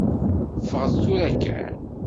Ffɣet tura kan.